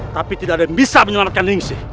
tapi tidak ada yang bisa menyelamatkan ring se